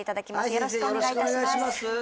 よろしくお願いします